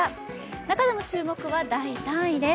中でも注目は第３位です。